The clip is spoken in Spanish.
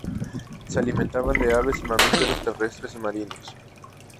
Se alimentaban de aves y mamíferos terrestres y marinos.